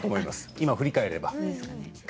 今、振り返れば。